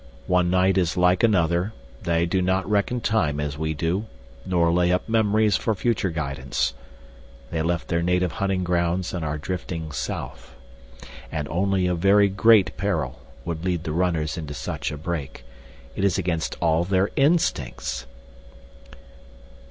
One night is like another; they do not reckon time as we do, nor lay up memories for future guidance. They left their native hunting grounds and are drifting south. And only a very great peril would lead the runners into such a break. It is against all their instincts!"